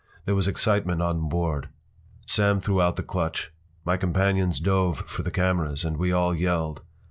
There was excitement on board. Sam threw out the clutch. My companions dove for the cameras, and we all yelled.